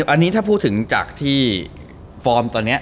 อันนี้ถ้าพูดถึงจากที่ครับมือตอนเนี้ย